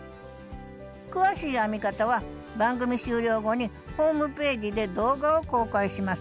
詳しい編み方は番組終了後にホームページで動画を公開します。